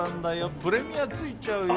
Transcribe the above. プレミアついちゃうよ。